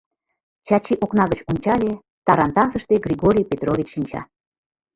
Чачи окна гыч ончале; тарантасыште Григорий Петрович шинча.